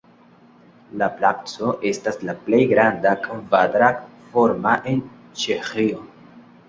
La placo estas la plej granda kvadrat-forma en Ĉeĥio.